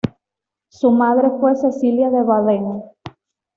Su madre fue Cecilia de Baden.